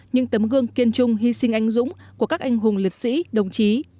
những tấm gương kiên trung hy sinh anh dũng của các anh hùng liệt sĩ đồng chí